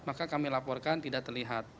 maka kami laporkan tidak terlihat